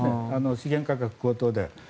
資源価格高騰で。